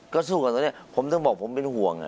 ก็สู้กันตอนนี้ผมต้องบอกผมเป็นห่วง